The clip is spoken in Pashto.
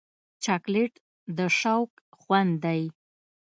چاکلېټ د شوق خوند دی.